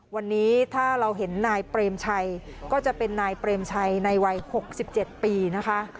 วันนี้ถ้าเราเห็นนายเปรมชัยก็จะเป็นนายเปรมชัยในวัย๖๗ปีนะคะ